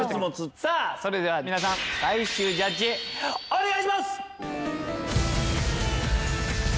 さあそれでは皆さん最終ジャッジお願いします！